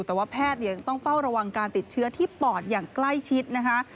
แต่ว่าแพทย์ยังต้องเฝ้าระวังการติดเชื้อที่ปอดอย่างใกล้ชิดนะคะ